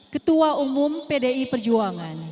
ketua umum pdi perjuangan